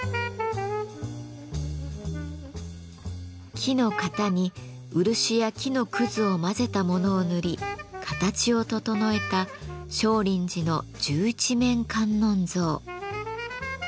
木の型に漆や木のくずを混ぜたものを塗り形を整えた聖林寺の十一面観音像。